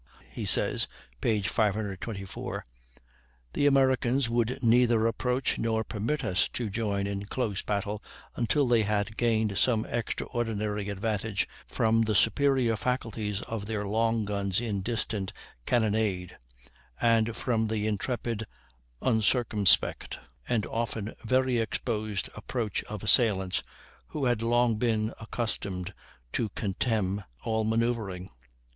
He says (p. 524): "The Americans would neither approach nor permit us to join in close battle until they had gained some extraordinary advantage from the superior faculties of their long guns in distant cannonade, and from the intrepid, uncircumspect, and often very exposed approach of assailants who had long been accustomed to contemn all manoeuvring.